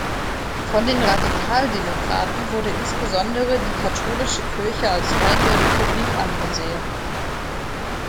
Von den Radikaldemokraten wurde insbesondere die katholische Kirche als Feind der Republik angesehen.